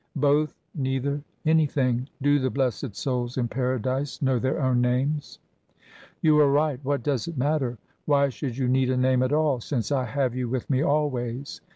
Both, neither, anything do the blessed souls in Paradise know their own names?" "You are right what does it matter? Why should you need a name at all, since I have you with me always?